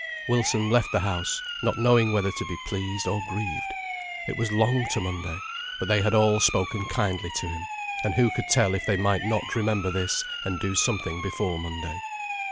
Wilson left the house, not knowing whether to be pleased or grieved. It was long to Monday, but they had all spoken kindly to him, and who could tell if they might not remember this, and do something before Monday.